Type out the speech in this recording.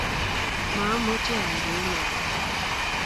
maamuch ayai kou noe